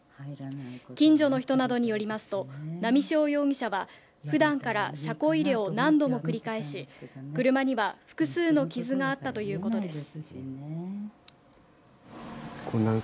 近所の人などによりますと波汐容疑者は普段から車庫入れを何度も繰り返し車には複数の傷があったということです